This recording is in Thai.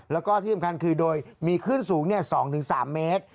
แล้วก็ที่สำคัญคือโดยมีขึ้นสูงเนี่ยสองถึงสามเมตร